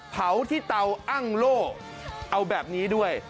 เผาที่เตาอ้างโล่เอาแบบนี้ด้วย